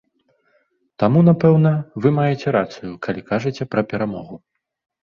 Таму, напэўна, вы маеце рацыю, калі кажаце пра перамогу.